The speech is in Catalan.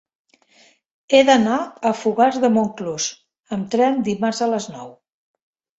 He d'anar a Fogars de Montclús amb tren dimarts a les nou.